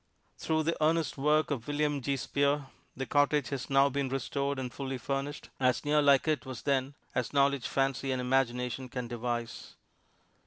Through the earnest work of William G. Spear, the cottage has now been restored and fully furnished, as near like it was then as knowledge, fancy and imagination can devise.